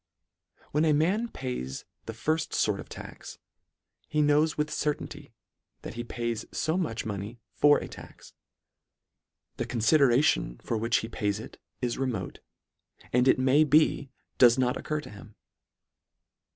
When a man pays the firfi: fort of tax, he knows with certainty that he pays fo much money for a tax. The confideration for which he pays it is remote, and it may be does not occur to him.